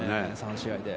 ３試合で。